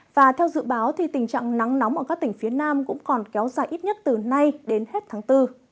và theo dự báo tình trạng nắng nóng ở các tỉnh phía nam cũng còn kéo dài ít nhất từ nay đến hết tháng bốn